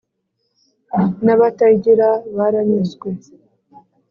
n' abatayigira baranyuzwe